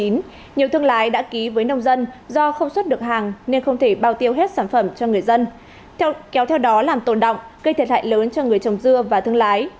nhiều thương lái đã ký với nông dân do không xuất được hàng nên không thể bao tiêu hết sản phẩm cho người dân kéo theo đó làm tồn động gây thiệt hại lớn cho người trồng dưa và thương lái